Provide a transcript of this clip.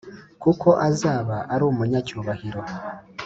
Kuko azaba arumunyacyubahiro